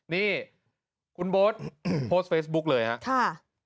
นี่คุณโบ๊ทโพสต์เฟซบุ๊คเลยครับ